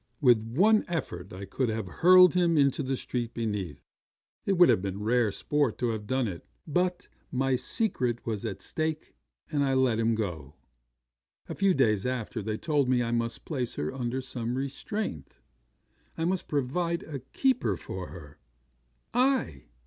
With one effort, I could have hurled him into the street beneath. It would have been rare sport to have done it; but my secret was at stake, and I let him go. A few days after, they told me I must place her under some restraint: I must provide a keeper for her. I!